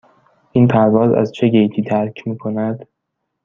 این پرواز از چه گیتی ترک می کند؟